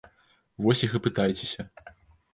Вось іх і пытайцеся.